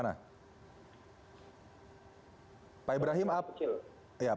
ya pak ibrahim bagaimana